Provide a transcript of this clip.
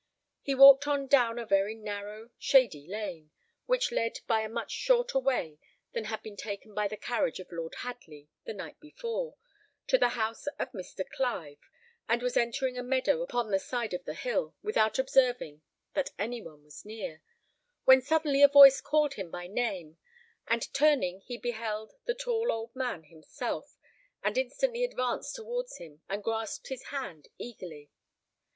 He walked on down a very narrow, shady lane, which led by a much shorter way than had been taken by the carriage of Lord Hadley the night before, to the house of Mr. Clive, and was entering a meadow upon the side of the hill, without observing that any one was near, when suddenly a voice called him by name, and turning he beheld the tall old man himself, and instantly advanced towards him and grasped his hand eagerly.